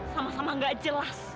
sama sama gak jelas